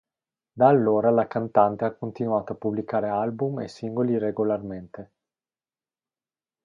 Da allora la cantante ha continuato a pubblicare album e singoli regolarmente.